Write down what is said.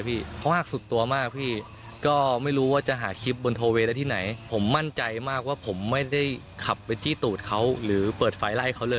ผมก็พร้อมที่เขาจะได้ขายรักฐานยืนยันว่าผมทำจริงไม่